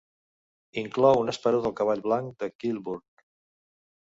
Inclou un esperó del cavall blanc de Kilburn.